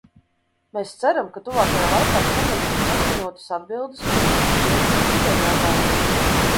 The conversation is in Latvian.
Mēs ceram, ka tuvākajā laikā saņemsim saskaņotas atbildes uz šiem un citiem jautājumiem.